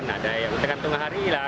ada yang sekitar tengah hari lah